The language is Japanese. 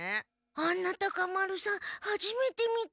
あんなタカ丸さんはじめて見た。